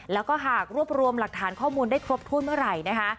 แล้วก็หากรวบรวมหลักฐานข้อมูลได้ครบถ้วนเมื่อไหร่นะคะ